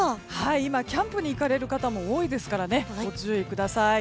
今キャンプに行かれる方も多いですからご注意ください。